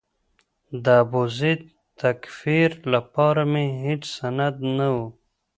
د ابوزید د تکفیر لپاره مې هېڅ سند نه و.